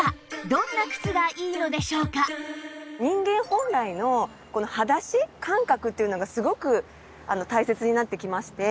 では人間本来の裸足感覚というのがすごく大切になってきまして。